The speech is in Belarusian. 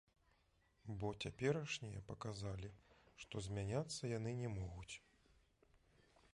Бо цяперашнія паказалі, што змяняцца яны не могуць.